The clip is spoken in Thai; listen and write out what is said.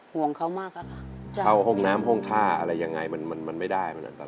ห่วงเขามากอะค่ะเข้าห้องน้ำห้องท่าอะไรยังไงมันมันไม่ได้มันอันตราย